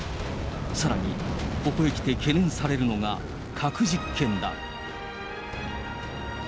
さらに、ここへきて懸念されるのが核実験だ。